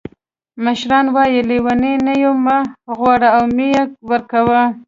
مشران وایي: لیوني نه یې مه غواړه او مه یې ورکوه.